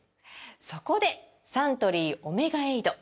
そこでサントリー「オメガエイド」！